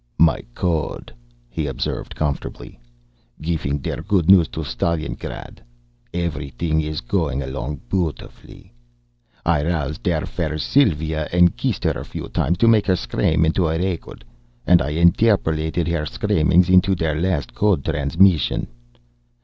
"My code," he observed comfortably, "gifing der good news to Stalingrad. Everything is going along beautifully. I roused der fair Sylva and kissed her a few times to make her scream into a record, and I interpolated her screamings into der last code transmission.